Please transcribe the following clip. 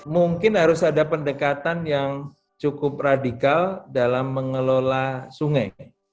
mungkin harus ada pendekatan yang cukup radikal dalam mengelola sungai